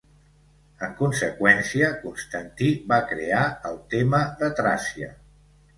En conseqüència, Constantí va crear el Tema de Tràcia.